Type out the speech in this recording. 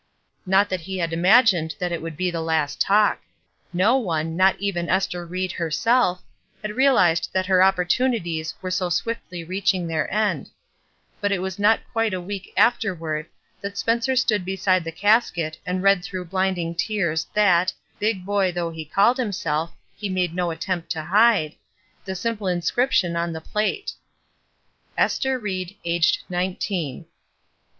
Not that he had imagined that it would be the last talk. No one, not even Ester Ried herself, had realized that her op portunities were so swiftly reaching their end; but it was not quite a week afterward that Spencer stood beside the casket and read through bUnding tears that, big boy though he called himself, he made no attempt to hide, the simple inscription on the plate ;—^^ ESTER RIED. AGED NINETEEN."